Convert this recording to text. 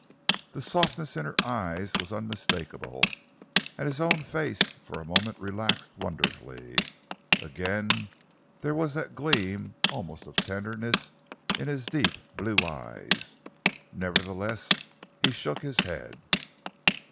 The softness in her eyes was unmistakable, and his own face for a moment relaxed wonderfully. Again there was that gleam almost of tenderness in his deep blue eyes. Nevertheless, he shook his head.